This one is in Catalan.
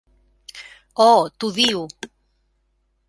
Oh, t'odio!